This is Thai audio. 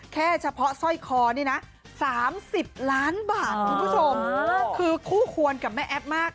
แค่เฉพาะสร้อยคอนี่นะ๓๐ล้านบาทคุณผู้ชมคือคู่ควรกับแม่แอ๊บมาก